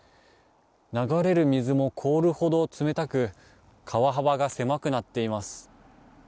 流れる水も凍るほど冷たく川幅が狭くなっています。